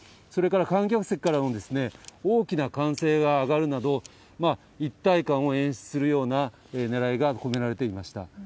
それから観客席からも大きな歓声が上がるなど、一体感を演出するようなねらいが込められていました。